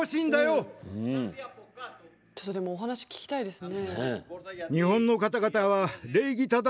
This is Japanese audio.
ちょっとでもお話聞きたいですね。